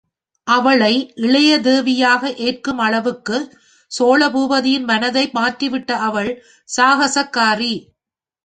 அவளை இளைய தேவியாக ஏற்கும் அளவுக்குச் சோழ பூபதியின் மனத்தை மாற்றிவிட்ட அவள் சாகஸக்காரி!